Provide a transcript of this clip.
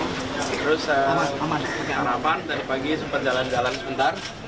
terus harapan tadi pagi sempat jalan jalan sebentar